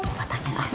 coba tanya lah